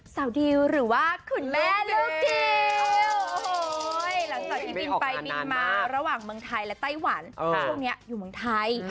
สาวดิวหรือว่าคุณแม่ลูกดิวหลังจากที่บินไปบินมาระหว่างเมืองไทยและไต้หวันช่วงนี้อยู่เมืองไทย